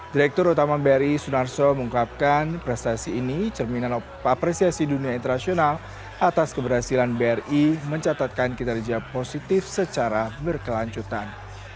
direktur utama bri sunarso mengungkapkan prestasi ini cerminan apresiasi dunia internasional atas keberhasilan bri mencatatkan kinerja positif secara berkelanjutan